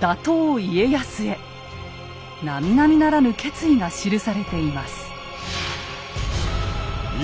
打倒家康へなみなみならぬ決意が記されています。